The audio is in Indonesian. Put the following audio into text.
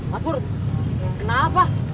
mas pur kenapa